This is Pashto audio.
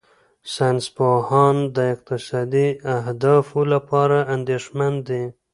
ساینسپوهان د اقتصادي اهدافو لپاره اندېښمن دي.